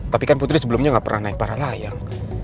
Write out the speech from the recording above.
tapi kan putri sebelumnya gak pernah naik para layang